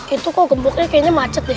itu kok gemuknya kayaknya macet deh